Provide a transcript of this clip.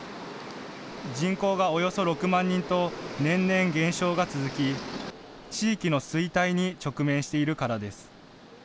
人口がおよそ６万人と年々減少が続き、地域の衰退に直面しているからです。